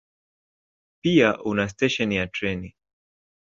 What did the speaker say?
Pia una stesheni ya treni.